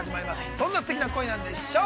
どんなすてきな恋なんでしょう？